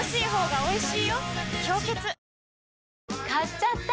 氷結買っちゃった！